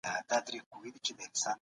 شراب پلورنځي تل د خلګو پر مخ خلاص وي.